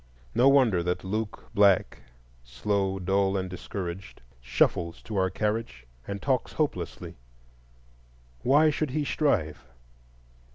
No wonder that Luke Black, slow, dull, and discouraged, shuffles to our carriage and talks hopelessly. Why should he strive?